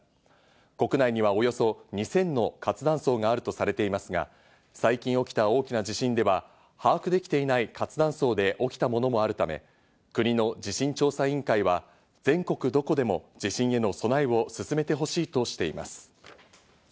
国内にはおよそ２０００の活断層があるとされていますが、最近起きた大きな地震では把握できていない活断層で起きたものもあるため、国の地震調査委員会は全国どこでも地震への備えを進めてほしいとしています。